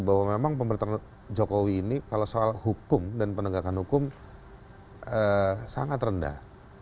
bahwa memang pemerintahan jokowi ini kalau soal hukum dan penegakan hukum sangat rendah